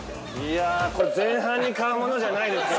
◆これ前半に買うものじゃないですよ。